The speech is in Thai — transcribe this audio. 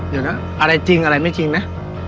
เดี๋ยวนะอะไรจริงอะไรไม่จริงนะ